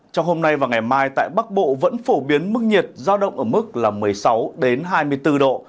trong hôm nay và ngày mai tại bắc bộ vẫn phổ biến mức nhiệt giao động ở mức một mươi sáu hai mươi bốn độ